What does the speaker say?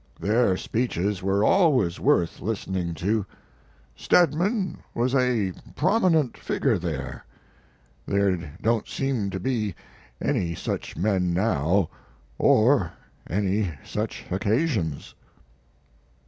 Their speeches were always worth listening to. Stedman was a prominent figure there. There don't seem to be any such men now or any such occasions."